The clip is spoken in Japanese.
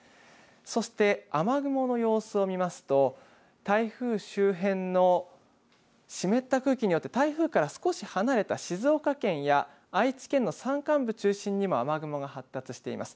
そして雨雲の様子を見ますと台風周辺の湿った空気によって台風から少し離れた静岡県や愛知県の山間部中心にも雨雲が発達しています。